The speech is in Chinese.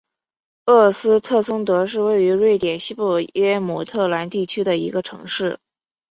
厄斯特松德是位于瑞典西部耶姆特兰地区的一个城市。